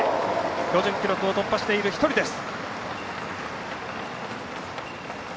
標準記録を突破している１人です。